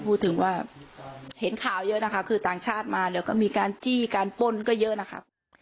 พูดถึงว่าเห็นข่าวเยอะนะคะคือต่างชาติมาแล้วก็มีการจี้การป้นก็เยอะนะคะ